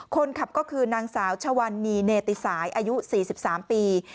คนขับก็คือนางสาวชวันนีเนติสายอายุ๔๓ปี